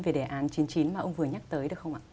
về đề án chín mươi chín mà ông vừa nhắc tới được không ạ